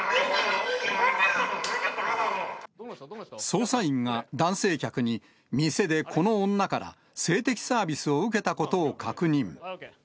捜査員が男性客に、店でこの女から性的サービスを受けたことを確認。